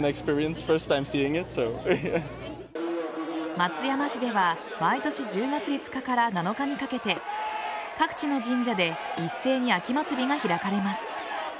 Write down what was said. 松山市では毎年１０月５日から７日にかけて各地の神社で一斉に秋祭りが開かれます。